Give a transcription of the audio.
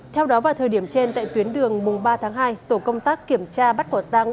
theo đó vào thời điểm trên tại tuyến đường mùng ba tháng hai tổ công tác kiểm tra bắt quả tăng